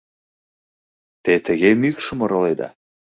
Те тыге мӱкшым ороледа?